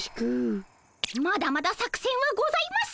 まだまだ作戦はございます。